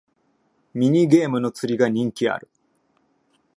ミニゲームの釣りが人気ある